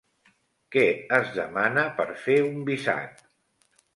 Què es demana per fer un visat?